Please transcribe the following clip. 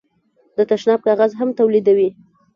د تشناب کاغذ هم تولیدوي.